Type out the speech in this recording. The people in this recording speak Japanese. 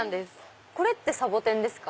これってサボテンですか？